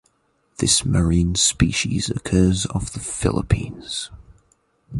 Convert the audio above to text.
This marine species occurs off the Philippines.